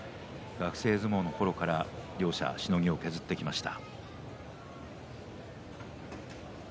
学生相撲のころから両者しのぎを削ってきました。